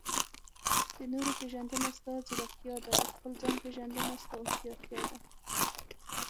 د نورو پېژندنه؛ ستا ځیرکتیا ده. د خپل ځان پېژندنه؛ ستا هوښيارتيا ده.